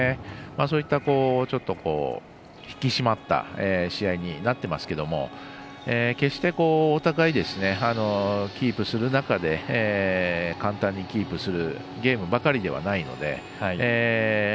そういった引き締まった試合になっていますが決してお互いキープする中で簡単にキープするゲームばかりではないので。